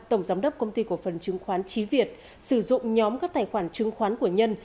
tổng giám đốc công ty cổ phần chứng khoán trí việt sử dụng nhóm các tài khoản chứng khoán của nhân